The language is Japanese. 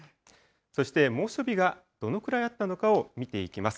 そして猛暑日がどのくらいあったのかを見ていきます。